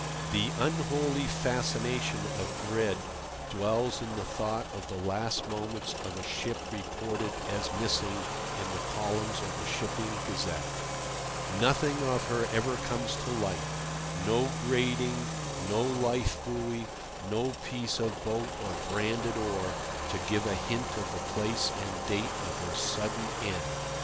The unholy fascination of dread dwells in the thought of the last moments of a ship reported as "missing" in the columns of the Shipping Gazette. Nothing of her ever comes to light—no grating, no lifebuoy, no piece of boat or branded oar—to give a hint of the place and date of her sudden end.